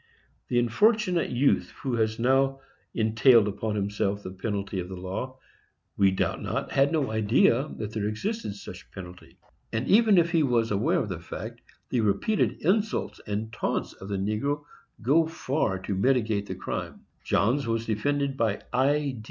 The unfortunate youth who has now entailed upon himself the penalty of the law, we doubt not, had no idea that there existed such penalty; and even if he was aware of the fact, the repeated insults and taunts of the negro go far to mitigate the crime. Johns was defended by I.